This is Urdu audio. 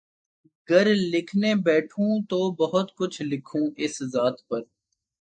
گر لکھنے بیٹھوں تو بہت کچھ لکھوں اس ذات پر